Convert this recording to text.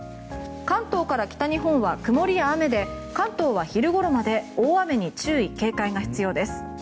関東から北日本は曇りや雨で関東は昼ごろまで大雨に注意・警戒が必要です。